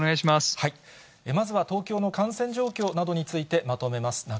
まずは東京の感染状況などについてまとめます。